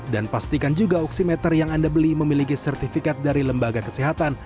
dan pastikan juga oksimeter yang anda beli memiliki sertifikat dari lembaga kesehatan